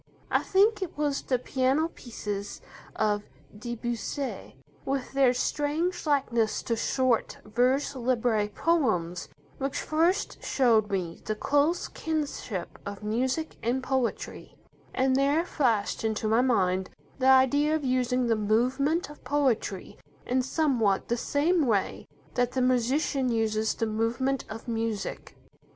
I think it was the piano pieces of Debussy, with their strange likeness to short vers libre poems, which first showed me the close kinship of music and poetry, and there flashed into my mind the idea of using the movement of poetry in somewhat the same way that the musician uses the movement of music.